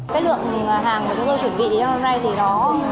cái lượng hàng mà chúng tôi chuẩn bị hôm nay thì nó